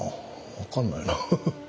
分かんないな。